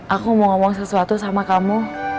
aku mau ngomong sesuatu sama kamu